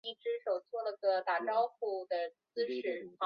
氯化铽可以形成无水物和六水合物。